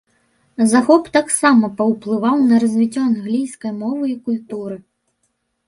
Захоп таксама паўплываў на развіццё англійскае мовы і культуры.